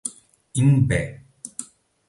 Imbé